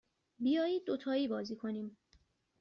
بیایید دوتایی بازی کنیم.